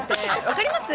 分かります？